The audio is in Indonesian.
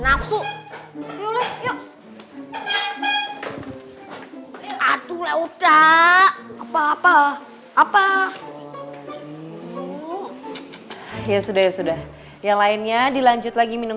mabsu yuk yuk aduh lewet apa apa apa ya sudah sudah yang lainnya dilanjut lagi minum